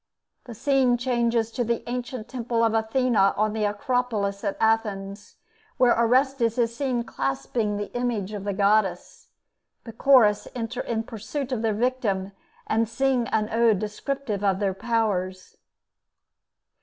The scene changes to the ancient temple of Athena on the Acropolis at Athens, where Orestes is seen clasping the image of the goddess. The Chorus enter in pursuit of their victim, and sing an ode descriptive of their powers.